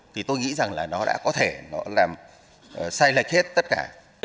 thì tôi nghĩ rằng là nó đã có thể nó làm sai lệch hết tất cả